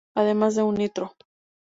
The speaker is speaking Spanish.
Además de un Nitro.